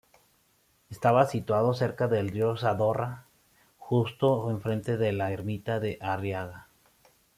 Estaba situado cerca del río Zadorra, justo enfrente de la Ermita de Arriaga.